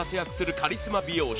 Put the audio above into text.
カリスマ美容師